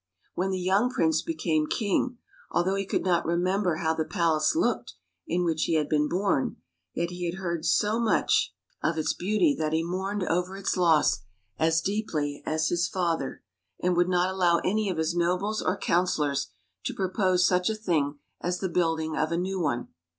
When the young prince became king, although he could not remember how the palace looked in which he had been bom, yet he had heard so much of its 79 THE PALACE MADE BY MUSIC "beauty that he mourned over its loss as deeply as his father, and would not allow any of his nobles or counselors to propose such a thing as the building of a new one.